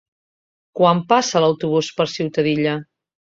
Quan passa l'autobús per Ciutadilla?